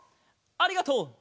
ありがとう！